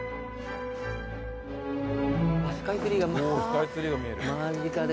スカイツリーが間近で。